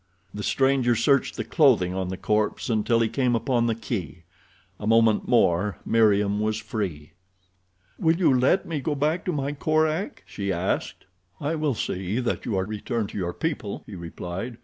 The stranger searched the clothing on the corpse until he came upon the key. A moment more Meriem was free. "Will you let me go back to my Korak?" she asked. "I will see that you are returned to your people," he replied.